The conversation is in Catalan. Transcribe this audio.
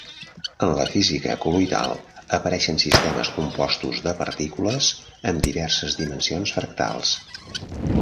En la física col·loidal, apareixen sistemes compostos de partícules amb diverses dimensions fractals.